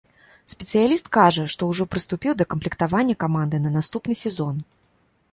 Спецыяліст кажа, што ўжо прыступіў да камплектавання каманды на наступны сезон.